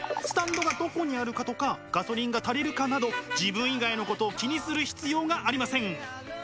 スタンドがどこにあるかとかガソリンが足りるかなど自分以外のことを気にする必要がありません。